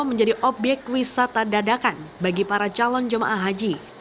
menjadi obyek wisata dadakan bagi para calon jemaah haji